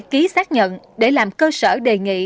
ký xác nhận để làm cơ sở đề nghị